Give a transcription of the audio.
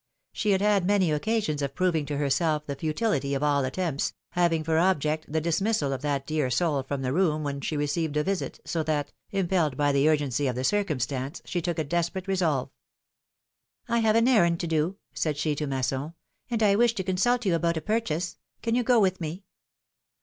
She had had many occasions of proving to herself the futility of all attempts, having for object the dismissal of that dear soul from the room when she received a visit, so that, impelled by the urgency of the circumstance, she took a desperate resolve. I have an errand to do," said she to Masson, and I wish to consult you about a purchase. Can you go with me?"